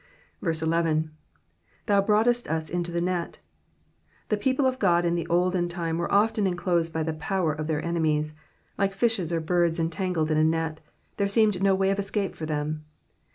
11. ^^Thou hroughtest us into the net,'''' The people of God in the olden time were often enclosed by the power of their enemies, like fishes or birds entangled in a net ; there seemed no way of escape for them.